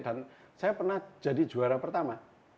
dan saya pernah jadi juara pertama